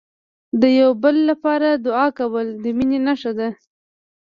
د یو بل لپاره دعا کول، د مینې نښه ده.